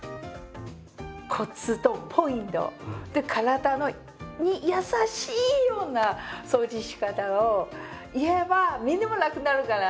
コツとポイント体に優しいような掃除のしかたを言えばみんなも楽になるから！